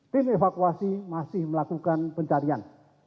tim evakuasi masih melakukan pencarian